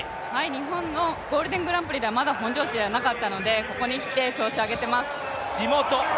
日本のゴールデングランプリではまだ本調子ではなかったのでここに来て調子を上げています。